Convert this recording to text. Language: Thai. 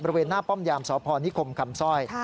บริเวณหน้าป้อมยามสพนิคมคำสร้อย